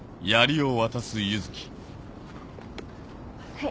はい。